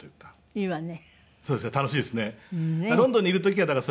いいわね。